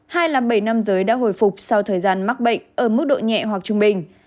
hai là bảy nam giới đã hồi phục sau thời gian mắc bệnh ở mức độ nhẹ hoặc trung bình